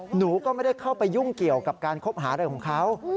หนูก็ไม่ได้เข้าไปยุ่งเกี่ยวกับการคบหาอะไรของเขา